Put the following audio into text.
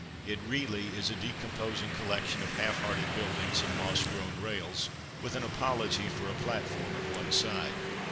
It really is a decomposing collection of half hearted buildings and moss grown rails, with an apology for a platform at one side.